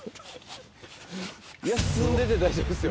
休んでて大丈夫ですよ。